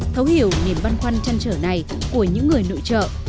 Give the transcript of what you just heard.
thấu hiểu niềm băn khoăn chăn trở này của những người nội trợ